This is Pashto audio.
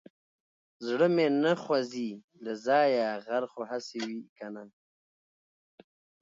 زړه مې نه خوځي له ځايه غر خو هسې وي کنه.